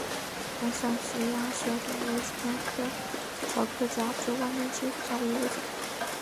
川上氏鸭舌疝为鸭跖草科假紫万年青属下的一个种。